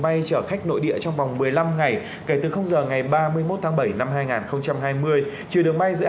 bay chở khách nội địa trong vòng một mươi năm ngày kể từ giờ ngày ba mươi một tháng bảy năm hai nghìn hai mươi trừ đường bay giữa